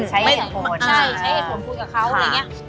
ใช้ให้ส่วนคุยกับเขา